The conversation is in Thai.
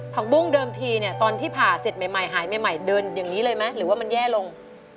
บุ้งเดิมทีเนี่ยตอนที่ผ่าเสร็จใหม่หายใหม่เดินอย่างนี้เลยไหมหรือว่ามันแย่ลง